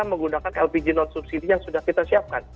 menggunakan lpg non subsidi yang sudah kita siapkan